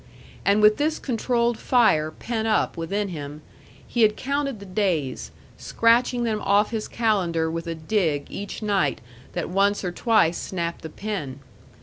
And with this controlled fire pent up within him, he had counted the days, scratching them off his calendar with a dig each night that once or twice snapped the pen.